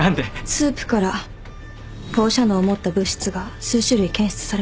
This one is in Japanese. スープから放射能を持った物質が数種類検出されました。